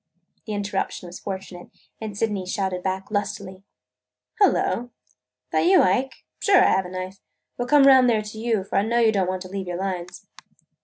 The interruption was fortunate, and Sydney shouted back lustily: "Hullo! That you, Ike? Sure, I have a knife. We 'll come around there to you, for I know you don't want to leave your lines."